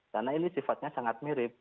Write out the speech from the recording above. karena ini sifatnya sangat mirip